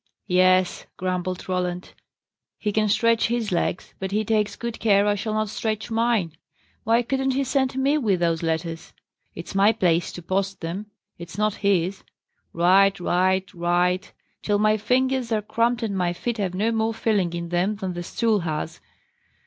"Yes!" grumbled Roland. "He can stretch his legs, but he takes good care I shall not stretch mine! Why couldn't he send me with those letters? It's my place to post them: it's not his. Write, write, write! till my fingers are cramped, and my feet have no more feeling in them than the stool has!